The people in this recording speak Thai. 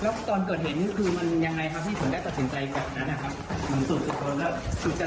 แล้วตอนเกิดเห็นคือมันยังไงครับที่ผมได้ตัดสินใจกับนั้นอ่ะครับมันสุดสุดทนแล้ว